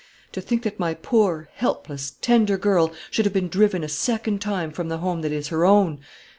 To think that my poor, helpless, tender girl should have been driven a second time from the home that is her own!